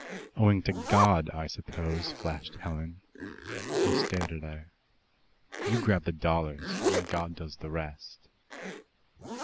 "Owing to God, I suppose," flashed Helen. He stared at her. "You grab the dollars. God does the rest."